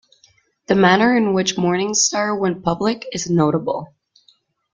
The manner in which Morningstar went public is notable.